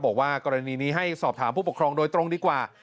บอกว่ากรณีนี้ให้สอบถามผู้ปกครองโดยตรงดีกว่า